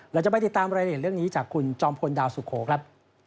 เราจะไปติดตามรายละเอียดเรื่องนี้จากคุณจอมพลดาวสุโขครับ